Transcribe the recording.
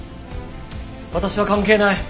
私は関係ない！